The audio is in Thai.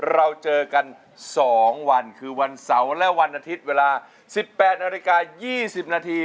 เราเจอกัน๒วันคือวันเสาร์และวันอาทิตย์เวลา๑๘นาฬิกา๒๐นาที